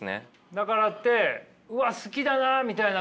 だからってうわっ好きだなあみたいな感情は？